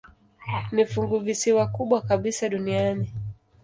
Ni funguvisiwa kubwa kabisa duniani.